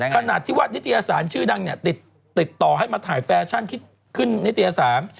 ขนาดที่ว่านิตยสารชื่อดังเนี่ยติดต่อให้มาถ่ายแฟชั่นคิดขึ้นนิตยสาร